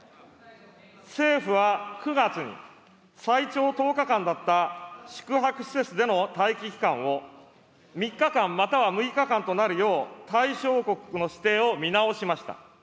政府は９月に、最長１０日間だった宿泊施設での待機期間を、３日間または６日間となるよう、対象国の指定を見直しました。